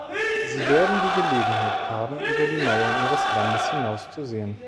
Sie werden die Gelegenheit haben, über die Mauern ihres Landes hinaus zu sehen.